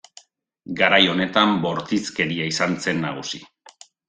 Garai honetan bortizkeria izan zen nagusi.